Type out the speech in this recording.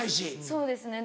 そうですね。